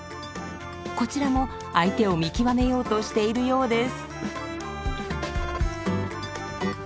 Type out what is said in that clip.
こちらも相手を見極めようとしているようです。